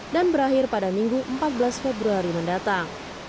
dan berakhir pada minggu empat belas februari mendatang